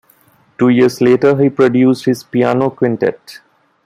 Two years later, he produced his Piano Quintet.